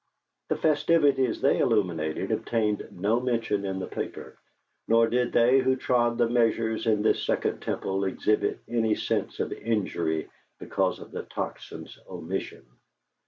The festivities they illumined obtained no mention in the paper, nor did they who trod the measures in this second temple exhibit any sense of injury because of the Tocsin's omission.